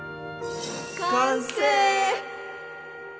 完成！